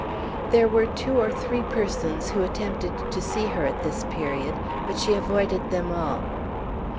There were two or three persons who attempted to see her at this period, but she avoided them all.